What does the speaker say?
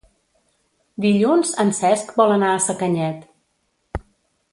Dilluns en Cesc vol anar a Sacanyet.